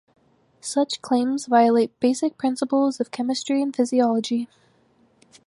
Such claims violate basic principles of chemistry and physiology.